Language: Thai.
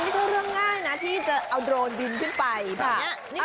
สวยมากเลย